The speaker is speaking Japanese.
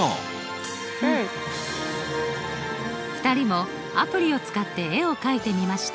２人もアプリを使って絵をかいてみました。